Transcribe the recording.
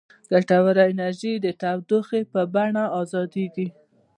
ګټوره انرژي د تودوخې په بڼه ازادیږي.